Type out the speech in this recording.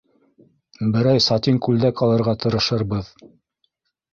— Берәй сатин күлдәк алырға тырышырбыҙ.